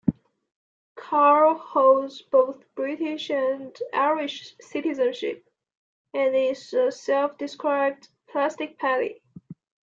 Carr holds both British and Irish citizenship and is a self-described plastic Paddy.